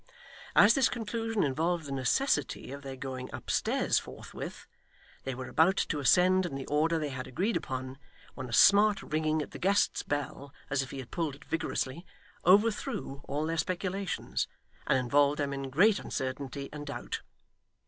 As this conclusion involved the necessity of their going upstairs forthwith, they were about to ascend in the order they had agreed upon, when a smart ringing at the guest's bell, as if he had pulled it vigorously, overthrew all their speculations, and involved them in great uncertainty and doubt.